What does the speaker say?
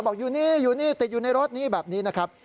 บอกอยู่นี่อยู่นี่ติดอยู่ในรถนี่แบบนี้นะครับ